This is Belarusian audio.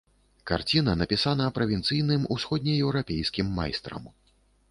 Карціна напісана правінцыйным усходнееўрапейскім майстрам.